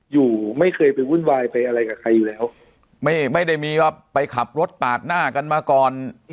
อยู่ไม่เคยเป็นวุ่นวายไปอะไรกันค่ะอีกละเอ้าไม่ได้มีรอบไปขับรถตาดหน้ากันมาก่อน